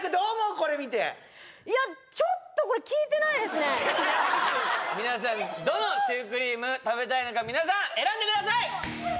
これ見て皆さんどのシュークリーム食べたいのか皆さん選んでください！